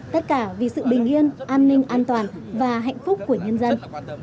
tất cả vì sự bình yên an ninh an toàn và hạnh phúc của nhân dân